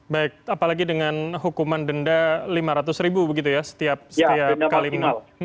baik apalagi dengan hukuman denda lima ratus ribu begitu ya setiap kali menang